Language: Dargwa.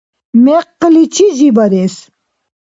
Мекъличи жибарес